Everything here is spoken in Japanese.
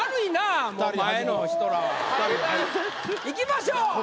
いきましょう。